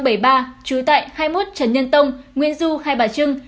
trú tại hai mươi một trần nhân tông nguyễn du hai bà trưng